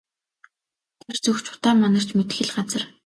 Тэр зүг ч утаа манарч мэдэх л газар.